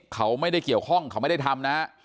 เขาไม่ได้เกี่ยวข้องเขาไม่ได้ทำนะฮะ